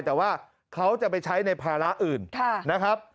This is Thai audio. แต่ว่าเขาจะไปใช้ในภาระอื่นนะครับ